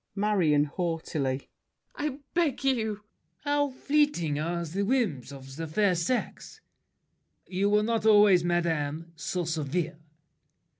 MARION (haughtily). I beg you! LAFFEMAS. How fleeting are the whims of the fair sex! You were not always, madame, so severe!